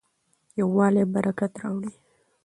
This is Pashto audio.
یووالی برکت راوړي.